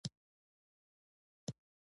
ښکاري حیوانات نور حیوانات خوري